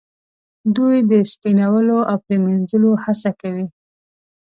دوی د سپینولو او پریمینځلو هڅه کوي.